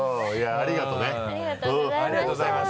ありがとうございます。